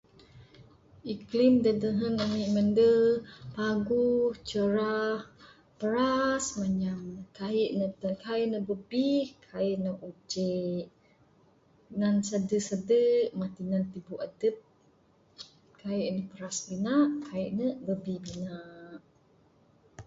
Iklam dak nehen ami mende paguh cerah, peras mah nyam kai kai ne bebi kai ne ujek ngan sede sede mah tinan tibu adep. Kai ne peras bina kai ne bebi bina.